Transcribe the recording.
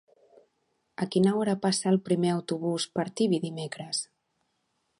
A quina hora passa el primer autobús per Tibi dimecres?